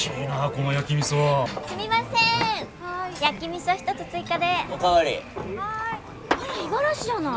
はい。